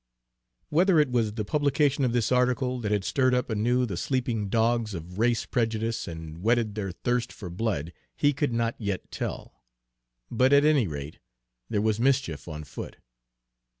Whether it was the republication of this article that had stirred up anew the sleeping dogs of race prejudice and whetted their thirst for blood, he could not yet tell; but at any rate, there was mischief on foot.